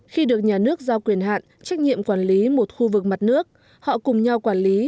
khi được nhà nước giao quyền hạn trách nhiệm quản lý một khu vực mặt nước họ cùng nhau quản lý